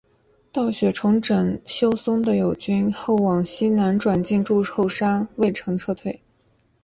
道雪重整休松的友军后往西南转进筑后山隈城撤退。